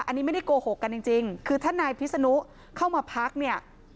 อันนี้ไม่ได้โกหกกันจริงคือถ้านายพิษนุเข้ามาพักเนี่ย